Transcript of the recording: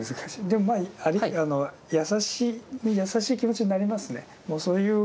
でも優しい気持ちになりますね。